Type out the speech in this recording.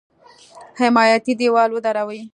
حمایتي دېوال ودروي.